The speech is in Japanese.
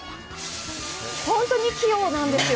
本当に器用なんですよ。